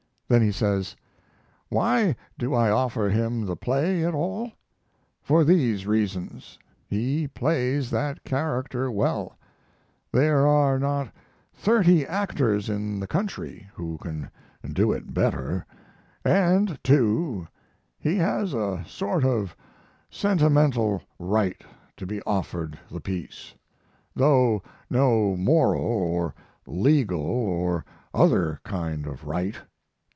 Then he says: Why do I offer him the play at all? For these reasons: he plays that character well; there are not thirty actors in the country who can do it better; and, too, he has a sort of sentimental right to be offered the piece, though no moral, or legal, or other kind of right.